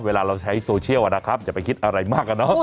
เวลาเราใช้โซเชียลนะครับอย่าไปคิดอะไรมากอะเนาะ